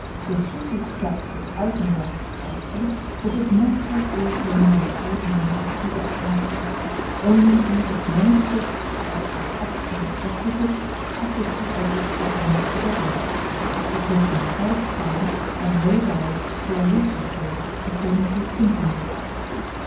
They should be strapped with isinglass plaster, which is much less irritating than the ordinary adhesive plaster. Only use as many strips as are actually requisite to keep the two edges of the wound together; keep the patient quite quiet, on low diet, for a week or so, according to his symptoms.